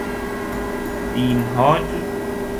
دیمهاج